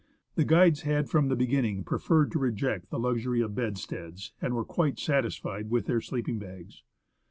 The guides had from the beginning preferred to reject the luxury of bedsteads, and were quite satisfied with their sleeping bags.